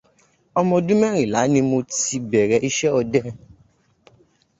Ọmọ ọdún mẹ́rìnlá ni mo ti bèrè iṣẹ́ ọdẹ.